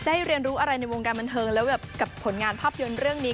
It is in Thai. ได้เรียนรู้อะไรในวงการบันเทิงแล้วกับผลงานภาพยนตร์เรื่องนี้